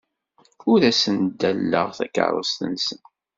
Ur asen-ddaleɣ takeṛṛust-nsen.